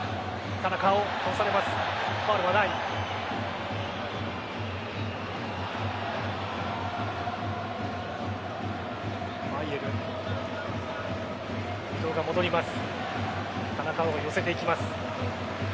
田中碧が寄せていきます。